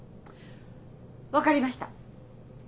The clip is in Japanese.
分かりました。